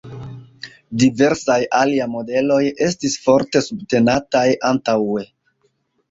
Diversaj alia modeloj estis forte subtenataj antaŭe.